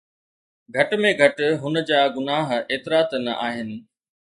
گهٽ ۾ گهٽ هن جا گناهه ايترا ته نه آهن.